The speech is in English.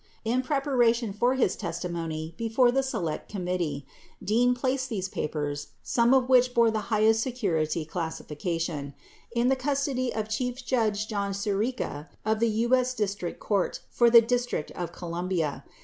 17 In preparation for his testimony before the Select Com mittee, Dean placed these papers, some of which bore the highest se curity classification, in the custody of Chief Judge John Sirica of the U.S. District Court for the District of Columbia.